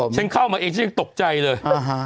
ฉันเข้ามาตกใจเลย